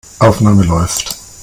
Aufnahme läuft.